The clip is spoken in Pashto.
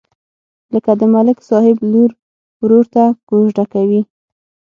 لکه د ملک صاحب لور ورور ته کوزده کوي.